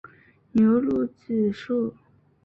牛乳子树